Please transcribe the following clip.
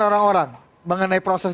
orang orang mengenai proses